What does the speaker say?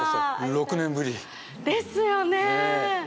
６年ぶり。ですよね。